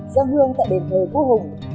dân hương tại đề thời vũ hùng